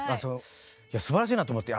いやすばらしいなと思って。